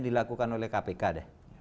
dilakukan oleh kpk deh